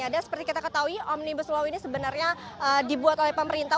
seperti kita ketahui omnibus law ini sebenarnya dibuat oleh pemerintah